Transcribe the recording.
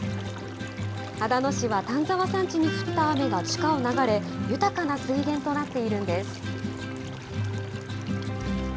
秦野市は丹沢山地に降った雨が地下を流れ、豊かな水源となっているんです。